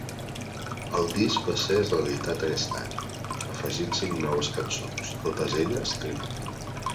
El disc va ser reeditat en aquest any, afegint cinc noves cançons, totes elles tribut.